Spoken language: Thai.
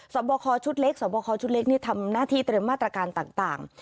บคอชุดเล็กสวบคอชุดเล็กทำหน้าที่เตรียมมาตรการต่าง